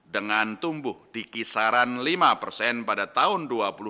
dengan tumbuh di kisaran lima persen pada tahun dua ribu dua puluh